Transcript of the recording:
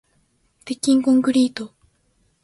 鉄筋コンクリート